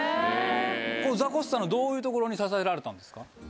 ザコシさんのどういうところに支えられたんですか？